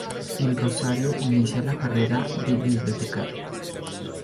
En Rosario inicia la carrera de bibliotecaria.